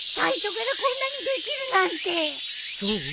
そう？